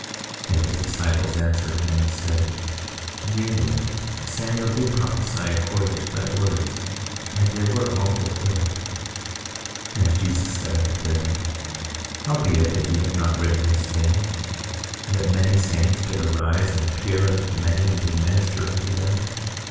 23:10 And his disciples answered him and said: Yea, Lord, Samuel did prophesy according to thy words, and they were all fulfilled. 23:11 And Jesus said unto them: How be it that ye have not written this thing, that many saints did arise and appear unto many and did minister unto them?